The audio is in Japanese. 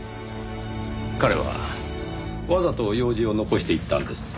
彼はわざと楊枝を残していったんです。